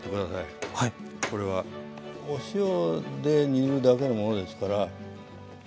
これはお塩で煮るだけのものですから。